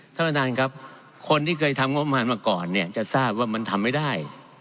ท่านประธานครับคนที่เคยทำงบประมาณมาก่อนเนี่ยจะทราบว่ามันทำไม่ได้